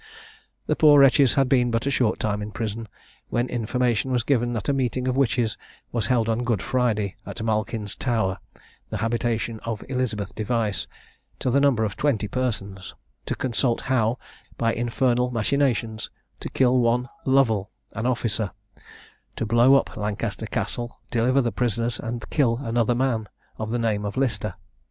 The poor wretches had been but a short time in prison, when information was given that a meeting of witches was held on Good Friday, at Malkin's Tower, the habitation of Elizabeth Device, to the number of twenty persons, to consult how, by infernal machinations, to kill one Lovel, an officer, to blow up Lancaster Castle, deliver the prisoners, and to kill another man, of the name of Lister.